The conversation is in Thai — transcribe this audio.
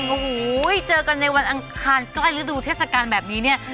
โอ้โหเจอกันในวันอังคารใกล้ฤดูเทศกาลแบบนี้เนี่ย